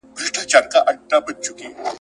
زه نه د عالم غوندې الله پېژنم